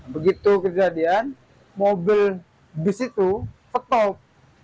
begitu kejadian mobil bus itu ketok